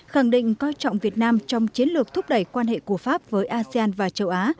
khẳng định coi trọng việt nam trong chiến lược thúc đẩy quan hệ của pháp với asean và châu á